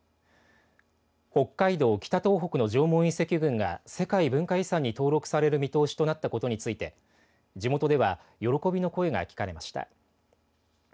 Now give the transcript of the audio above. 北海道・北東北の縄文遺跡群が世界文化遺産に登録される見通しとなったことについて地元では喜びの声が聞かれました。